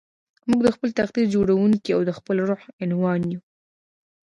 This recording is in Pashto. موږ د خپل تقدير جوړوونکي او د خپل روح عنوان يو.